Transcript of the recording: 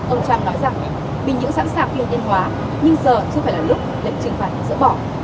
ông trump nói rằng bình nhưỡng sẵn sàng phiên nhân hòa nhưng giờ chưa phải là lúc lệnh trừng phạt giỡn bỏ